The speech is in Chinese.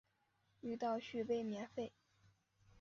遇到续杯免费